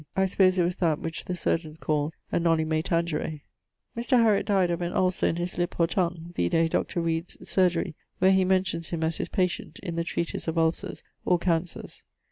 I suppose it was that which the chirurgians call a noli me tangere. Mr. Hariot dyed of an ulcer in his lippe or tongue vide Dr. Read's Chirurgery, where he mentions him as his patient, in the treatise of ulcers (or cancers).